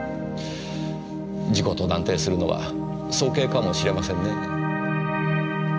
事故と断定するのは早計かもしれませんねぇ。